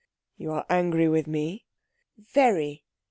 "You are angry with me?" "Very."